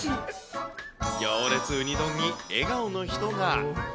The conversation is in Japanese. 行列ウニ丼に笑顔の人が。